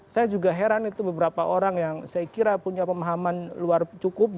saya juga heran itu beberapa orang yang saya kira punya pemahaman luar cukup